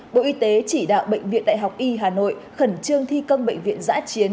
bộ y tế chỉ đạo bệnh viện đại học y hà nội khẩn trương thi công bệnh viện giã chiến